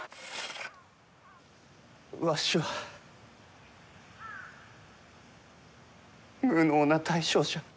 わしは無能な大将じゃ。